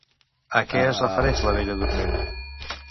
A què es refereix la Bella Dorment?